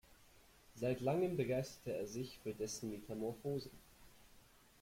Seit langem begeisterte er sich für dessen "Metamorphosen".